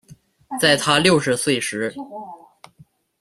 在她六十岁时